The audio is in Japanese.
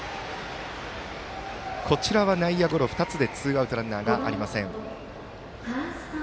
こちらは内野ゴロ２つでツーアウト、ランナーありません。